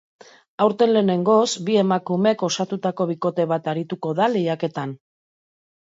Aurten lehenengoz, bi emakumek osatutako bikote bat arituko da lehiaketan.